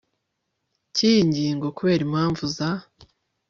k iyi ngingo kubera impamvu za